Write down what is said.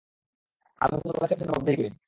আমি শুধু রোলেক্সের কাছে জবাবদিহি করি।